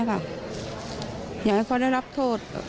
อย่างนั้นเขาได้รับโทษ